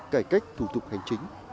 cải cách thủ tục hành chính